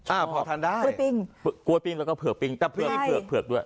อ่าพอทานได้กล้วยปิ้งกล้วยปิ้งแล้วก็เผกปิ้งตะเผือกเผือกเผือกด้วย